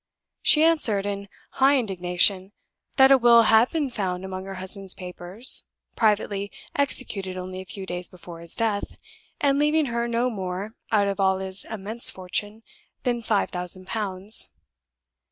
She answered, in high indignation, that a will had been found among her husband's papers, privately executed only a few days before his death, and leaving her no more, out of all his immense fortune, than five thousand pounds.